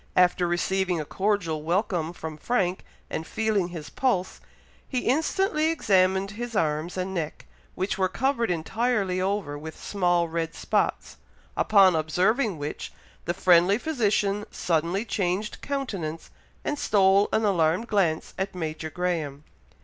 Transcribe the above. After receiving a cordial welcome from Frank, and feeling his pulse, he instantly examined his arms and neck, which were covered entirely over with small red spots, upon observing which, the friendly physician suddenly changed countenance, and stole an alarmed glance at Major Graham.